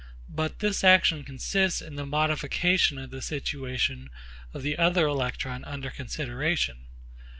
But this action consists in the modification of the situation of the other electron under consideration.